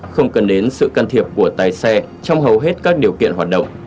không cần đến sự can thiệp của tài xe trong hầu hết các điều kiện hoạt động